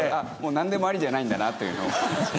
何でもありじゃないんだなと。